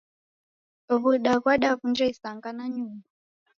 W'uda ghwadaw'unja isanga nanyuma